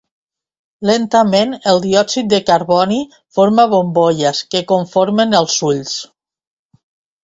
Lentament, el diòxid de carboni forma bombolles que conformen els "ulls".